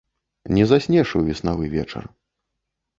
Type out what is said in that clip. Не заснеш у веснавы вечар.